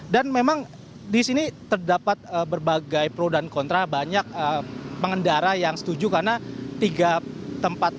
dan memang di sini terdapat berbagai pro dan kontra banyak pengendara yang setuju karena tiga tempat persimpangan